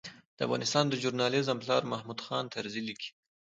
د افغانستان د ژورنالېزم پلار محمود خان طرزي لیکي.